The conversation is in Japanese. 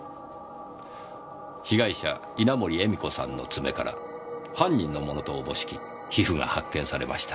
被害者稲盛絵美子さんの爪から犯人のものとおぼしき皮膚が発見されました。